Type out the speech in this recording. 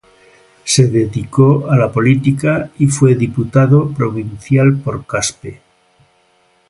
Se dedicó a la política y fue diputado provincial por Caspe.